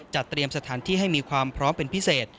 เตรียมสถานที่ให้มีความพร้อมเป็นพิเศษ